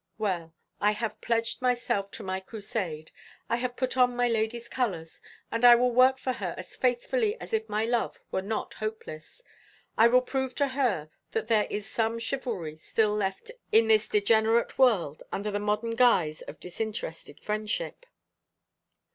Well, I have pledged myself to my crusade. I have put on my lady's colours, and I will work for her as faithfully as if my love were not hopeless. I will prove to her that there is some chivalry still left in this degenerate world, under the modern guise of disinterested friendship."